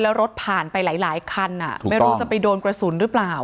แล้วรถผ่านไปหลายคันไม่รู้จะไปโดนกระสุนหรือเปล่า